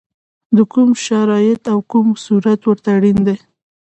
کوم شرایط او کوم صورت ورته اړین دی؟